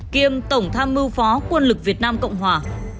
kiêm tổng tham mưu phó quân lực việt nam cộng hòa